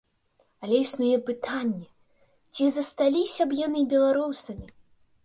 Але існуе пытанне, ці засталіся б яны беларусамі?